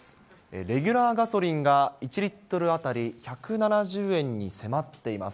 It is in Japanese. レギュラーガソリンが１リットル当たり１７０円に迫っています。